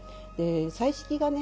彩色がね